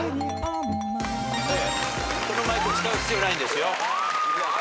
そのマイク使う必要ないんですよ。